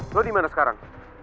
lo dimana sekarang